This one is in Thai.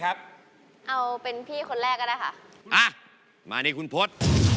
อ่ะมานี่คุณพลต